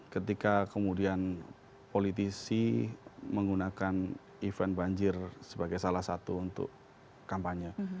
ketika kemudian politisi menggunakan event banjir sebagai salah satu untuk kampanye